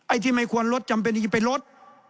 ไอ้ที่ไม่ควรลดจำเป็นยังไงไปลด